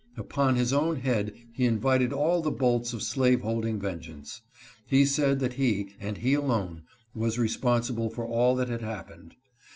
Upon his own head he invited all the bolts of slaveholding vengeance. He said that he, and he alone, was responsible for all that had happened.